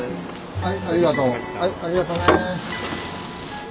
はい。